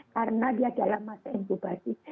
karena dia dalam masa inkubasi